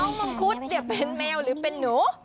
น้องมังคุดเป็นแมวหรือเป็นนู้